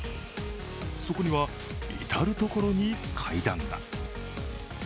そこには、至る所に階段が。